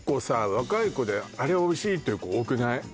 若い子であれおいしいっていう子多くない？